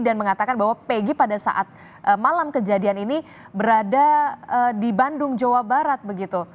mengatakan bahwa peggy pada saat malam kejadian ini berada di bandung jawa barat begitu